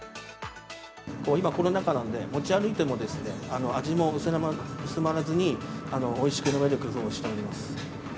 今、コロナ禍なんで、持ち歩いても、味も薄まらずに、おいしく飲める工夫をしております。